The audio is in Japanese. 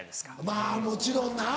まぁもちろんな。